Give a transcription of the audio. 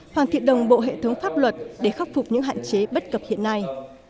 hoàn thiện đồng bộ hệ thống pháp luật để khắc phục những hạn chế bất cập hiện nay